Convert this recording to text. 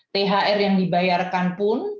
thr yang dibayarkan pun